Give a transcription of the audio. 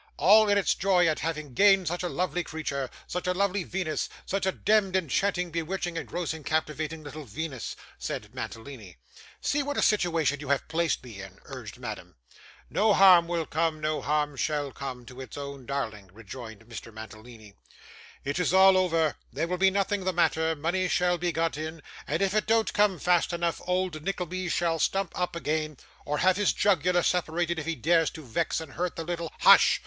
'All in its joy at having gained such a lovely creature, such a little Venus, such a demd, enchanting, bewitching, engrossing, captivating little Venus,' said Mantalini. 'See what a situation you have placed me in!' urged Madame. 'No harm will come, no harm shall come, to its own darling,' rejoined Mr. Mantalini. 'It is all over; there will be nothing the matter; money shall be got in; and if it don't come in fast enough, old Nickleby shall stump up again, or have his jugular separated if he dares to vex and hurt the little ' 'Hush!